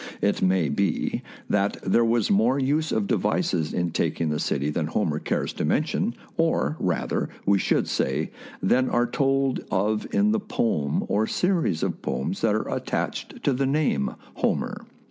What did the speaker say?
It may be that there was more use of devices in taking the city than Homer cares to mention, or, rather, we should say, than are told of in the poem or series of poems that are attached to the name Homer.